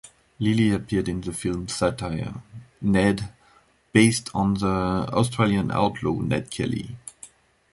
Lilley appeared in the film satire, "Ned" based on the Australian outlaw Ned Kelly.